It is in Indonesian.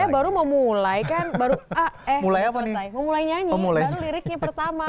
baru liriknya pertama